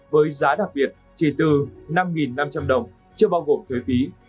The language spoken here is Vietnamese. với giá đặc biệt chỉ từ năm năm trăm linh đồng chưa bao gồm thuế phí